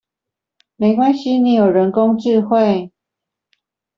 沒關係你有人工智慧